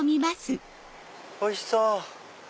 おいしそう！